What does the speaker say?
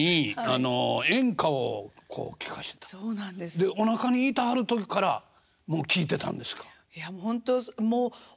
でおなかにいてはる時からもう聴いてたんですか。